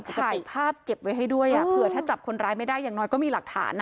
จะถ่ายภาพเก็บไว้ให้ด้วยเผื่อถ้าจับคนร้ายไม่ได้อย่างน้อยก็มีหลักฐาน